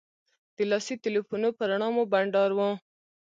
د لاسي تیلفونو په رڼا مو بنډار و.